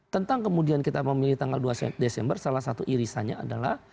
tentang kemudian kita memilih tanggal dua desember salah satu irisannya adalah